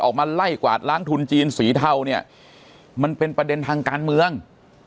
ออกมาไล่กวาดล้างทุนจีนสีเทาเนี่ยมันเป็นประเด็นทางการเมือง